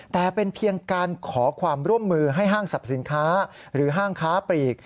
แต่เป็นเพียงการขอความร่วมมือให้ห้างสรรพสินค้าหรือห้างค้าปลีก